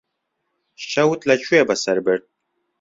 شەوت لەکوێ بەسەر برد؟